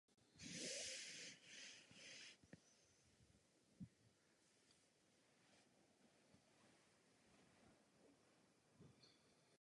Ve druhé lize hrál za Mladou Boleslav.